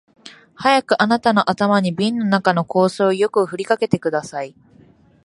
早くあなたの頭に瓶の中の香水をよく振りかけてください